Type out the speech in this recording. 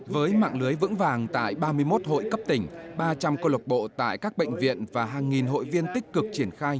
với mạng lưới vững vàng tại ba mươi một hội cấp tỉnh ba trăm linh cơ lộc bộ tại các bệnh viện và hàng nghìn hội viên tích cực triển khai